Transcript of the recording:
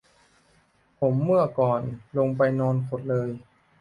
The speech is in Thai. ผมเมื่อก่อนลงไปนอนขดเลย